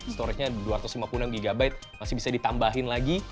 storage nya dua ratus lima puluh enam gb masih bisa ditambahin lagi